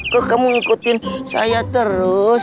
kok kamu ngikutin saya terus